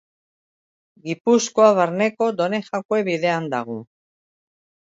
Gipuzkoa Barneko Donejakue bidean dago.